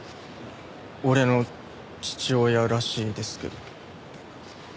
俺の父親らしいですけど。